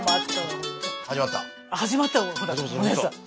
あ始まったわほらお姉さん。